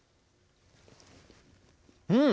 うん！